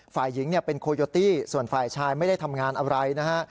ฝ่ายหญิงเป็นโคโยตี้ส่วนฝ่ายชายไม่ได้ทำงานอะไรนะฮะ